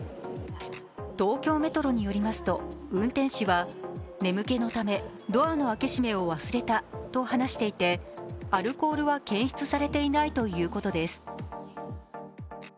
東京メトロによりますと運転士は眠気のためドアの開け閉めを忘れたと話していて、アルコールは検出されていないということです。